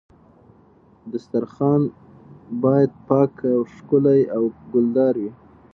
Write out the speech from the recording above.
دسترخوان باید پاک او ښکلی او ګلدار وي.